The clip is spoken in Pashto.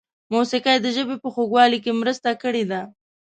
موسیقۍ د ژبې په خوږوالي کې مرسته کړې ده.